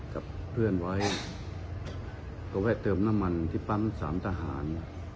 กับเพื่อนไว้ก็แวะเติมน้ำมันที่ปั๊มสามทหาร